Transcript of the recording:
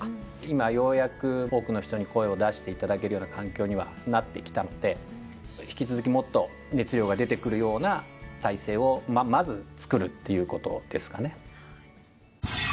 今ようやく多くの人に声を出していただけるような環境にはなってきたので引き続きもっと熱量が出てくるような体制をまずつくるっていうことですかね。